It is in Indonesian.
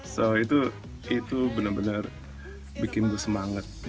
so itu bener bener bikin gue semangat